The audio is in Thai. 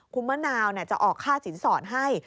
คุณมะนาวจะออกค่าสินสอดให้